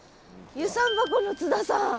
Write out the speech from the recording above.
遊山箱の津田さん。